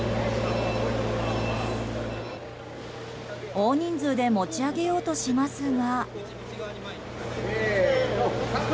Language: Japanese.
大人数で持ち上げようとしますが。